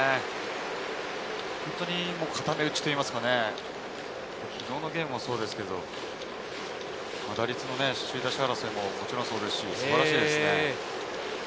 固め打ちといいますか、昨日のゲームもそうですけれど、打率も首位打者争いもそうですし、素晴らしいです。